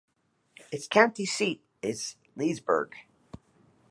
Its county seat is Leesburg.